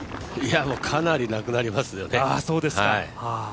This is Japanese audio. かなりなくなりますよね。